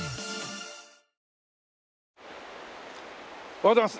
おはようございます。